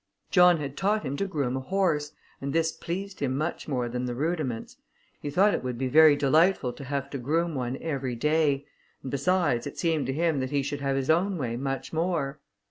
John had taught him to groom a horse, and this pleased him much more than the Rudiments; he thought it would be very delightful to have to groom one every day, and, besides, it seemed to him that he should have his own way much more.